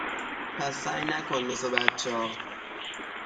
پس سعی نکن مث بچه ها